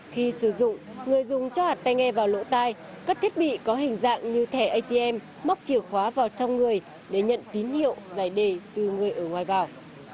khi sử dụng người dùng cho hạt tay nghe vào lỗ tai các thiết bị có hình dạng như thẻ atm móc chìa khóa vào trong người để nhận tín hiệu giải đề từ người ở ngoài vào